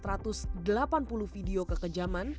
terhadap hewan di tiga perjalanan